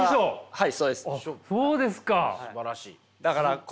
はい。